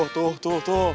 tuh tuh tuh